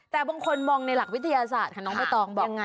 แต่บางคนมองในหลักวิทยาศาสตร์ค่ะน้องใบตองบอก